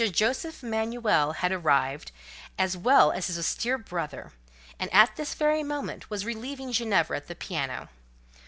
Joseph Emanuel had arrived, as well as his austere brother, and at this very moment was relieving Ginevra at the piano.